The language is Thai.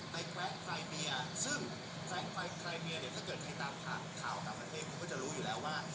ในแครงไฟเมียซึ่งแครงไฟไครเมียเนี่ยถ้าเกิดใครตามข่าวกับประเทศก็จะรู้อยู่แล้วว่า